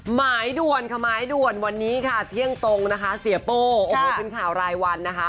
หมายด่วนค่ะหมายด่วนวันนี้ค่ะเที่ยงตรงนะคะเสียโป้โอ้โหเป็นข่าวรายวันนะคะ